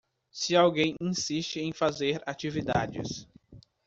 Se alguém insiste em fazer atividades